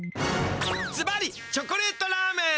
ずばりチョコレートラーメン！